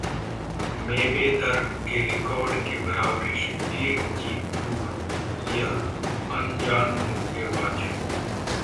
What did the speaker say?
Mayweather के record की बराबरी से एक जीत दूर यह अनजान मुक्केबाज